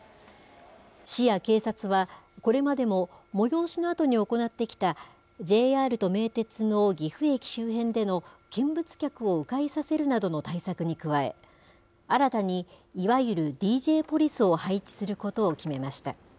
市や警察は、これまでも催しのあとに行ってきたＪＲと名鉄の岐阜駅周辺での見物客をう回させるなどの対策に加え、新たにいわゆるＤＪポリスを配置することを決めました。